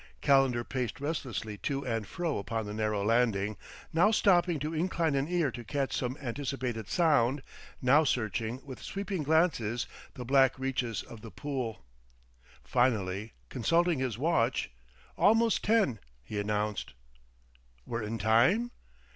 Calendar paced restlessly to and fro upon the narrow landing, now stopping to incline an ear to catch some anticipated sound, now searching with sweeping glances the black reaches of the Pool. Finally, consulting his watch, "Almost ten," he announced. "We're in time?"